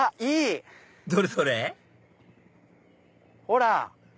ほら！